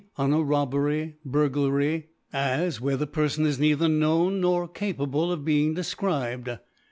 On a Robbery, Burglary, fdt. where the Perfon is neither known, nor ca pable of being defcribed.